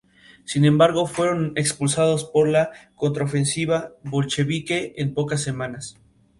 El Grupo The Kills logró una versión más roquera y similar a la original.